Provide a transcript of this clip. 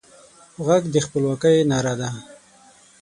غږ د خپلواکۍ ناره ده